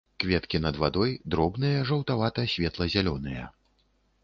Кветкі над вадой, дробныя жаўтавата-светла-зялёныя.